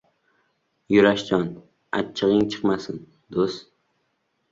– Yurashjon, achchigʻing chiqmasin, doʻst.